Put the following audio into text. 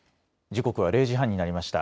時刻は０時半になりました。